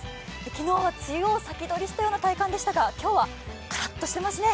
昨日は梅雨を先取りしたような体感でしたが、今日はさらっとしてますね。